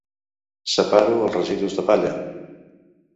Separo els residus de palla.